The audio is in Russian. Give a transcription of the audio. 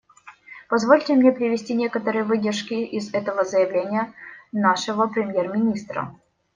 Позвольте мне привести некоторые выдержки из этого заявления нашего премьер-министра.